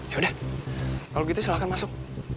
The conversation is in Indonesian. ya udah kalau gitu silahkan masuk